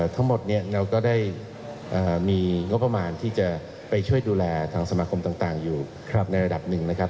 ทั้งหมดเนี่ยเราก็ได้มีงบประมาณที่จะไปช่วยดูแลทางสมาคมต่างอยู่ในระดับหนึ่งนะครับ